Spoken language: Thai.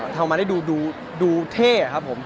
ทำมาได้ดูเท่ครับผม